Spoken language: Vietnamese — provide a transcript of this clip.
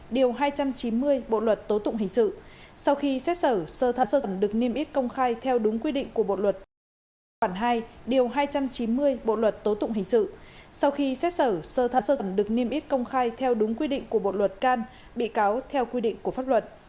điều hai trăm chín mươi bộ luật tố tụng hình sự sau khi xét xử xơ thẩm được niêm ích công khai theo đúng quy định của bộ luật can bị cáo theo quy định của pháp luật